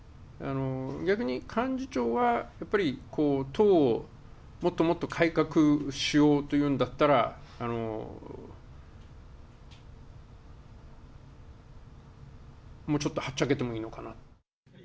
逆に幹事長はやっぱり、党をもっともっと改革しようというんだったら、もうちょっとはっちゃけてもいいのかな。